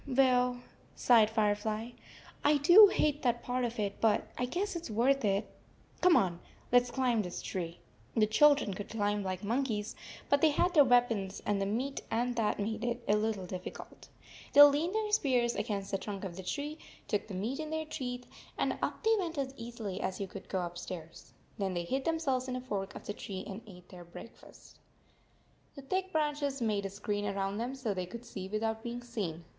"Well," sighed Firefly, "I do hate that part of it, but I guess it s worth it. Come on. Let s climb this tree." The children could climb like monkeys, but they had their weapons and the meat 47 and that made it a little difficult. They leaned their spears against the trunk of the tree, took the meat in their teeth, and up they went as easily as you could go upstairs. Then they hid themselves in a fork of the tree and ate their breakfast. The thick branches made a screen around them so they could see without being seen.